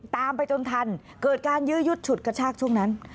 ตามไปจนทันเกิดการยื้อยุดฉุดกระชากช่วงนั้น